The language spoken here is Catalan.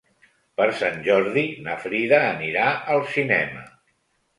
Per Sant Jordi na Frida anirà al cinema.